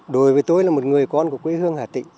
đối với tôi là một người con của quê hương hà tịnh